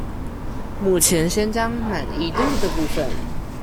目前先將滿意度的部分